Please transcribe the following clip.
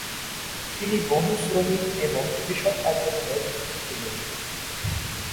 তিনি বহু শ্রমিক এবং কৃষক আন্দোলনের নেতৃত্ব দেন।